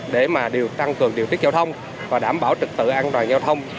để mà đều tăng cường điều tiết giao thông và đảm bảo trực tự an toàn giao thông